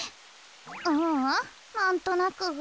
ううんなんとなく。